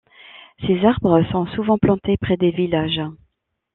Ces arbres sont souvent plantés près des villages.